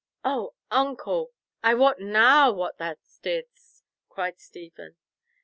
'" "Oh, uncle, I wot now what thou didst!" cried Stephen.